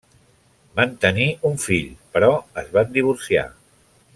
Van tenir un fill, però es van divorciar.